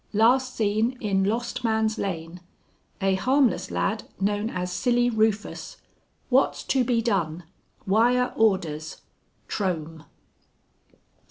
Last seen in Lost Man's Lane. A harmless lad known as Silly Rufus. What's to be done? Wire orders. TROHM."